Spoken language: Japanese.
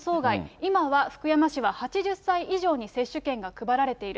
今は福山市は８０歳以上に接種券が配られている。